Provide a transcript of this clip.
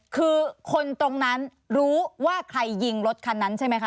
คือคนตรงนั้นรู้ว่าใครยิงรถคันนั้นใช่ไหมคะ